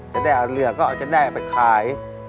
จะได้เอาเรือก็เอาจะได้ไปขาย